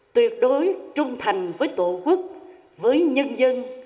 tuyệt đối trung thành với tổ quốc với nhân dân